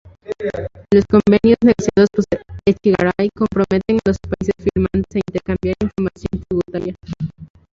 Los convenios negociados por Echegaray comprometen a los países firmantes a intercambiar información tributaria.